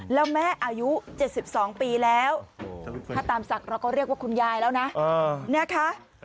แล้วแม่อายุเจ็บสิบสองปีแล้วอัธิบันถ้าตามศักดิ์เราก็เรียกว่าคุณยายแล้วนะ